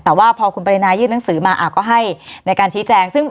แต่ว่าพอคุณปรินายื่นหนังสือมาก็ให้ในการชี้แจงซึ่ง